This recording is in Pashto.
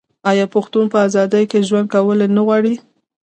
آیا پښتون په ازادۍ کې ژوند کول نه غواړي؟